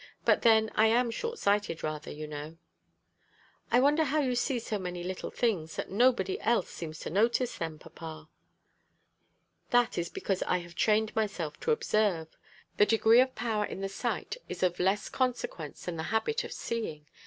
But then I am shortsighted rather, you know." "I wonder how you see so many little things that nobody else seems to notice, then, papa." "That is because I have trained myself to observe. The degree of power in the sight is of less consequence than the habit of seeing.